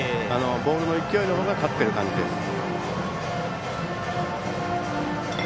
ボールの勢いのほうが勝ってる感じです。